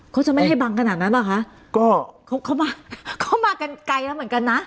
เขาจะไม่ให้บังขนาดนั้นเหรอคะก็เขาเขามาเขามากันไกลแล้วเหมือนกันนะ